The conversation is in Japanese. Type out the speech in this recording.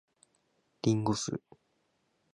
林檎酢